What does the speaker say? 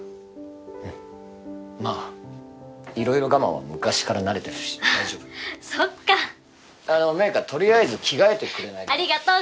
うんまぁいろいろ我慢は昔から慣れてるし大丈夫そっかあの明花とりあえず着替えてくれないかありがと